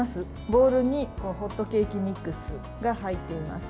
ボウルにホットケーキミックスが入っています。